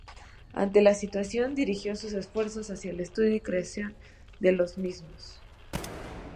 Ante esta situación, dirigió sus esfuerzos hacia el estudio y creación de los mismos.